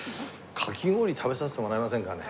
かき氷食べさせてもらえませんかね？